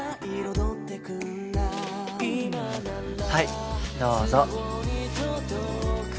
はいどうぞ。